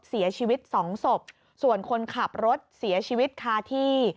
เสียชีวิตสองศพส่วนคนขับรถเสียชีวิตคาที่